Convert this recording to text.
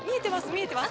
見えてます